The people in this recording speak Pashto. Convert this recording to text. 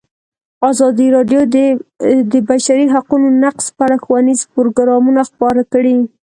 ازادي راډیو د د بشري حقونو نقض په اړه ښوونیز پروګرامونه خپاره کړي.